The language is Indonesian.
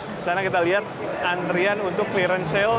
di sana kita lihat antrian untuk clearan sale